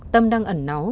tâm đang ẩn náu